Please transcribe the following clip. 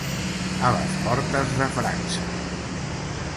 A les portes de França.